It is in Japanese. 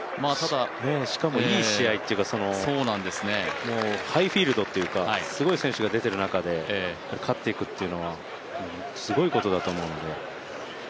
しかもいい試合というか、ハイフィールドというかすごい選手が出てる中で勝っていくというのは、すごいことだと思うので。